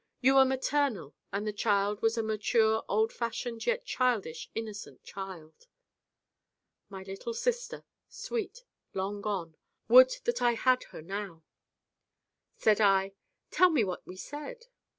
You were maternal and the child was a mature old fashioned yet childish innocent child.' My little sister sweet long gone Would that I had her now! Said I: 'Tell me what we said.